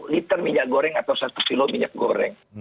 liter minyak goreng atau satu kilo minyak goreng